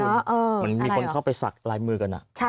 มันมีคนชอบไปศักดิ์ลายมือกัน